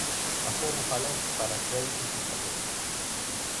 'Aforro galego para créditos españois'.